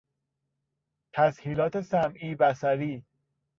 تسهیلات سمعی ـ بصری